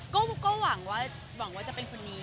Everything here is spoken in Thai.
ก็หวังว่าจะเป็นคนนี้